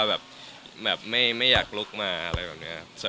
แบบไม่อยากลุกมาอะไรแบบนี้ครับ